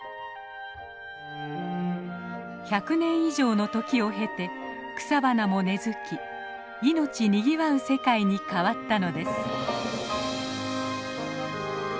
１００年以上の時を経て草花も根づき命にぎわう世界に変わったのです。